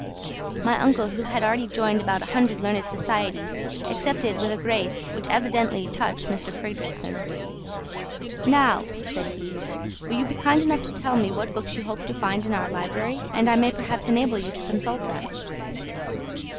My uncle, who had already joined about a hundred learned societies, accepted with a grace which evidently touched M. Fridrikssen. "Now," said he, "will you be kind enough to tell me what books you hoped to find in our library and I may perhaps enable you to consult them?"